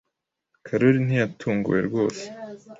Karoli ntiyatunguwe rwose.